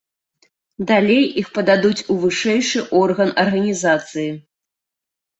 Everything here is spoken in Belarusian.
Далей іх пададуць у вышэйшы орган арганізацыі.